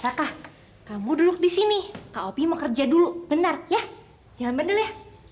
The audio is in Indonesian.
raka kamu duduk disini kak opi mau kerja dulu benar ya jangan bandel ya